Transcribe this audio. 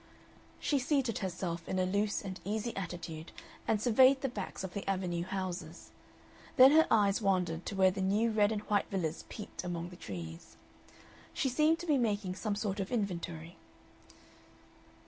She seated herself in a loose and easy attitude and surveyed the backs of the Avenue houses; then her eyes wandered to where the new red and white villas peeped among the trees. She seemed to be making some sort of inventory.